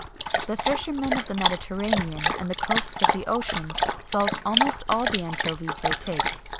The fishermen of the Mediterranean and the coasts of the ocean salt almost all the anchovies they take.